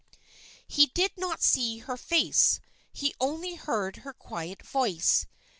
He did not see her face, he only heard her quiet voice.